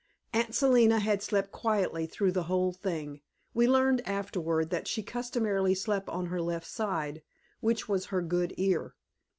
Aunt Selina had slept quietly through the whole thing we learned afterward that she customarily slept on her left side, which was on her good ear.